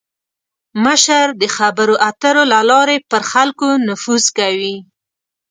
مشر د خبرو اترو له لارې پر خلکو نفوذ کوي.